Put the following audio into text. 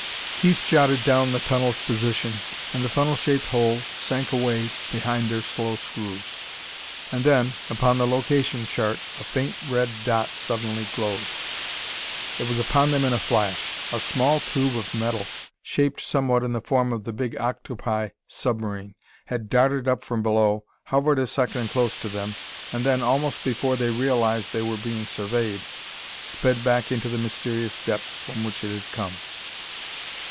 Keith jotted down the tunnel's position, and the funnel shaped hole sank away behind their slow screws. And then, upon the location chart, a faint red dot suddenly glowed! It was upon them in a flash. A small tube of metal, shaped somewhat in the form of the big octopi submarine, had darted up from below, hovered a second close to them, and then, almost before they realized they were being surveyed, sped back into the mysterious depths from which it had come.